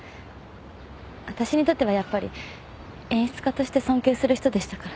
私にとってはやっぱり演出家として尊敬する人でしたから。